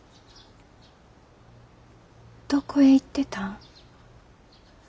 どこへ行ってたん？